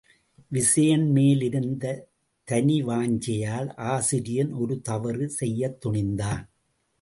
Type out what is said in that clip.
விசயன் மேல் இருந்த தனிவாஞ்சையால் ஆசிரியன் ஒரு தவறு செய்யத் துணிந்தான்.